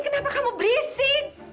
kenapa kamu berisik